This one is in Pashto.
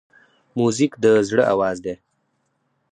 موزیک د زړه آواز دی.